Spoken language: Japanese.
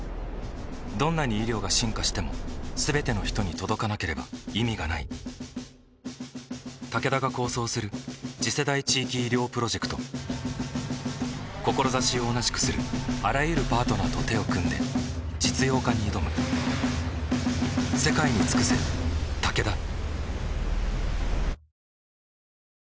どんなに医療が進化しても全ての人に届かなければ意味がないタケダが構想する次世代地域医療プロジェクト志を同じくするあらゆるパートナーと手を組んで実用化に挑む一体